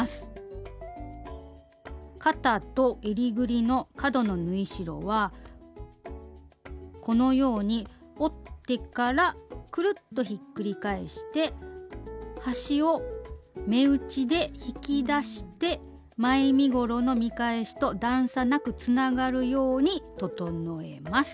肩とえりぐりの角の縫い代はこのように折ってからくるっとひっくり返して端を目打ちで引き出して前身ごろの見返しと段差なくつながるように整えます。